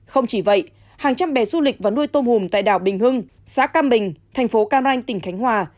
không chỉ vậy hàng trăm bè du lịch và nuôi tôm hùm tại đảo bình hưng xã cam bình thành phố cam ranh tỉnh khánh hòa